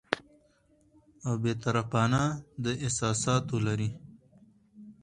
او بې طرفانه، د احساساتو لرې